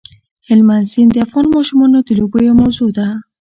هلمند سیند د افغان ماشومانو د لوبو یوه موضوع ده.